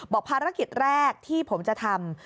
ภารกิจแรกที่ผมจะทำ